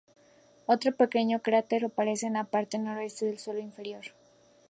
Otro pequeño cráter aparece en la parte noreste del suelo interior.